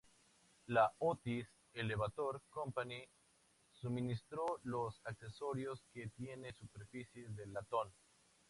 La Otis Elevator Company suministró los ascensores, que tienen superficies de latón.